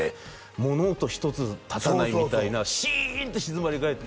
物音一つ立たないみたいなシーンって静まりかえって